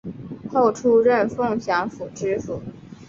后出任凤翔府知府。